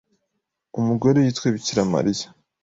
Umugore yitwe Bikira Mariya